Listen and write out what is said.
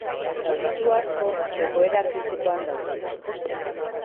Zauritu asko egoera kritikoan daude.